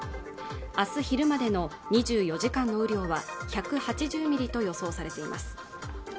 あす昼までの２４時間の雨量は１８０ミリと予想されています